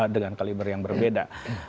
dengan kaliber yang berbeda